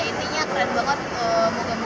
ya intinya keren banget